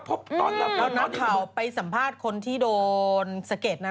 พบตอนระเบิดตอนนี้แล้วนักข่าวไปสัมภาษณ์คนที่โดนสะเก็ดนั้น